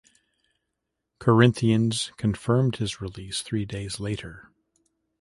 Corinthians confirmed his release three days later.